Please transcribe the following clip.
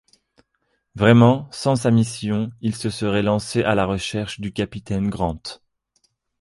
Vraiment, sans sa mission, il se serait lancé à la recherche du capitaine Grant!